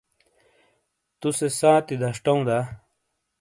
تُو سے سانتی دشٹَوں دا؟